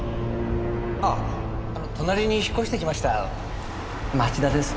ああ隣に引っ越してきました町田です。